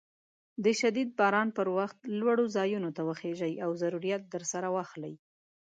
د شديد باران پر وخت لوړو ځايونو ته وخېژئ او ضروريات درسره واخلئ.